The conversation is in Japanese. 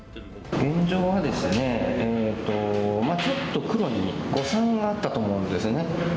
現状はですねちょっと黒に誤算があったと思うんですね